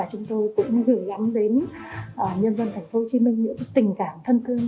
chúng tôi cũng gửi gắn đến nhân dân thành phố hồ chí minh những tình cảm thân thương